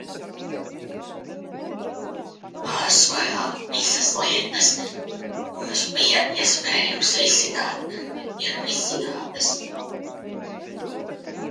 Pārsvarā visas lietas, kuras bija iespējams risināt, ir risinātas.